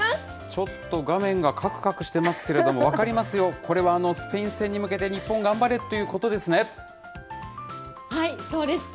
ちょっと画面がかくかくしていますけれども、分かりますよ、これはスペイン戦に向けて、日本頑張れということですね。